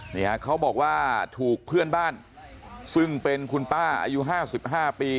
เนี่ยฮะเขาบอกว่าถูกเพื่อนบ้านซึ่งเป็นคุณป้าอายุห้าสิบห้าปี